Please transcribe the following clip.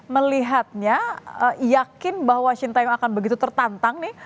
melihatnya yakin bahwa sintayong akan begitu tertantang nih